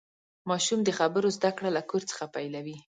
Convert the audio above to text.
ماشوم د خبرو زدهکړه له کور څخه پیلوي.